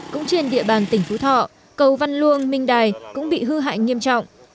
cũng trên địa bàn tỉnh phú thọ cầu văn luông minh đài cũng bị hư hại nghiêm trọng